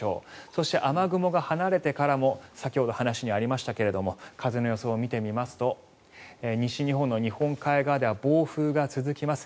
そして雨雲が離れてからも先ほど話にありましたけれども風の予想を見てみますと西日本の日本海側では暴風が続きます。